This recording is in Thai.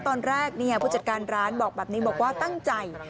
ตอนแรกผู้จัดการร้านบอกแบบนี้บอกว่าตั้งใจ